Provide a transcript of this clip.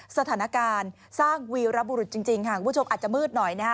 สถานการณ์สร้างวีรบุรุษจริงค่ะคุณผู้ชมอาจจะมืดหน่อยนะฮะ